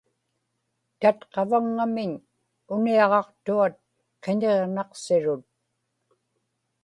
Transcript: tatqavaŋŋamiñ uniaġaqtuat qiñiġnaqsirut